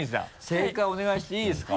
正解お願いしていいですか？